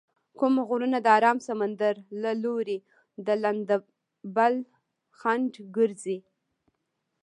کوم غرونه د ارام سمندر له لوري د لندبل خنډ ګرځي؟